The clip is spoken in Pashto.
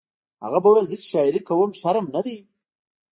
هغه به ویل زه چې شاعري کوم شرم نه دی